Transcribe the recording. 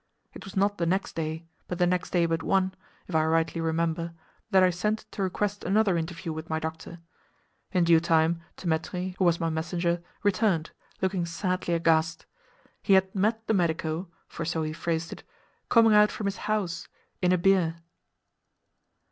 It was not the next day, but the next day but one, if I rightly remember, that I sent to request another interview with my doctor. In due time Dthemetri, who was my messenger, returned, looking sadly aghast—he had "met the medico," for so he phrased it, "coming out from his house—in a bier!"